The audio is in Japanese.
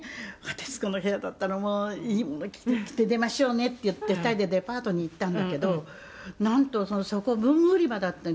『徹子の部屋』だったらもういいもの着て出ましょうねって言って２人でデパートに行ったんだけどなんとそこ文具売り場だったんで」